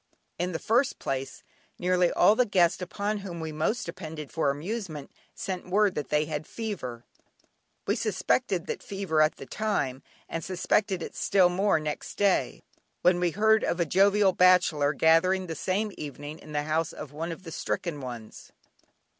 In the first place, nearly all the guests upon whom we most depended for amusement sent word that they had fever. We suspected that fever at the time, and suspected it still more next day, when we heard of a jovial bachelor gathering that same evening in the house of one of the stricken ones.